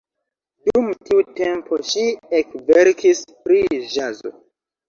Dum tiu tempo ŝi ekverkis pri ĵazo.